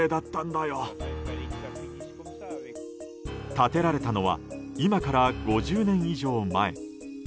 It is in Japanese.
建てられたのは今から５０年以上前。